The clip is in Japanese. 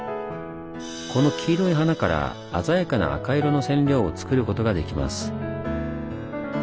この黄色い花から鮮やかな赤色の染料を作ることができます。